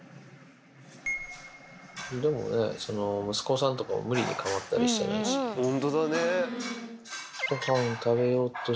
でもね、息子さんとかも、無理に構ったりしてないし。